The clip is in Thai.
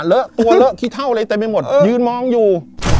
เหลือคิดเท่าอะไรเต็มไปหมดยืนมองอยู่